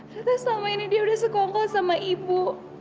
katanya selama ini dia udah sekongkol sama ibu